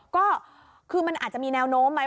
ก็คือมันอาจจะมีแนวโน้มไหม